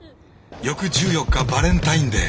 翌１４日バレンタインデー。